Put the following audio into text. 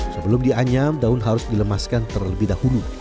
sebelum dianyam daun harus dilemaskan terlebih dahulu